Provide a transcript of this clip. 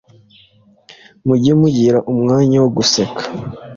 mujye mugira umwanya wo guseka,